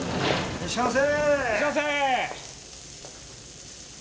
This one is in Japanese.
いらっしゃいませ！